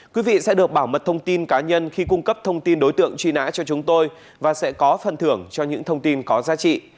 quý vị sẽ được bảo mật thông tin cá nhân khi cung cấp thông tin đối tượng truy nã cho chúng tôi và sẽ có phần thưởng cho những thông tin có giá trị